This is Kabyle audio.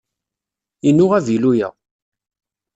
Inu uvilu-a.